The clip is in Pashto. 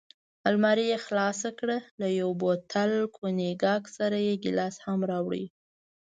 المارۍ یې خلاصه کړل، له یو بوتل کونیګاک سره یې ګیلاس هم راوړ.